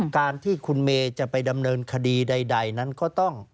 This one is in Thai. การที่คุณเมย์จะไปดำเนินคดีใดนั้นก็ต้อง